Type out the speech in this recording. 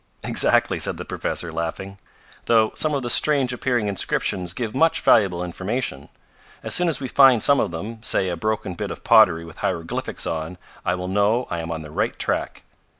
"Exactly," said the professor, laughing. "Though some of the strange appearing inscriptions give much valuable information. As soon as we find some of them say a broken bit of pottery with hieroglyphics on I will know I am on the right track."